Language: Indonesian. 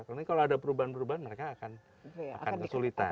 kalau ada perubahan perubahan mereka akan akan kesulitan